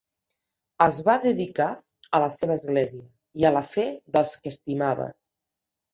Es va dedicar a la seva Església i a la fe dels que estimava.